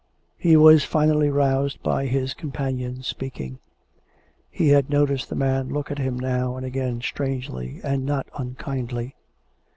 He was finally roused by his companion's speaking. He had noticed the man look at him now and again strangely and not unkindly.